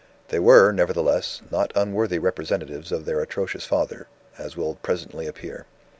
They were, nevertheless, not unworthy representatives of their atrocious father, as will presently appear.